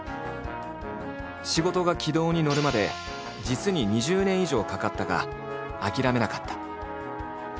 仕事が軌道に乗るまで実に２０年以上かかったが諦めなかった。